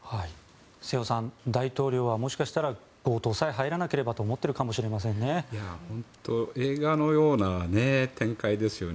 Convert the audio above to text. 瀬尾さん大統領はもしかしたら強盗さえ入らなければと思っているかもしれませんね。